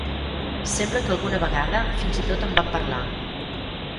Sembla que alguna vegada fins i tot en van parlar.